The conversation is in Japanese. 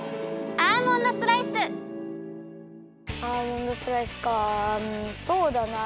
アーモンドスライスかうんそうだな。